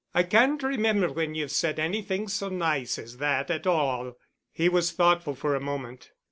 I can't remember when you've said anything so nice as that at all." He was thoughtful for a moment.